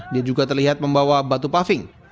dia juga terlihat membawa batu paving